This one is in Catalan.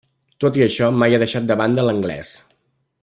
Tot i això mai ha deixat de banda l'anglès.